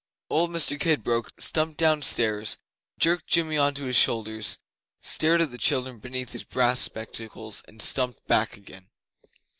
Old Mr Kidbrooke stumped downstairs, jerked Jimmy on to his shoulder, stared at the children beneath his brass spectacles, and stumped back again.